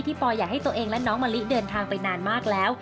ปอยอยากให้ตัวเองและน้องมะลิเดินทางไปนานมากแล้ว